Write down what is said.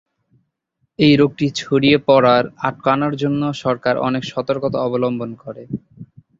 এই রোগটি ছড়িয়ে পড়ার আটকানোর জন্য, সরকার অনেক সতর্কতা অবলম্বন করে।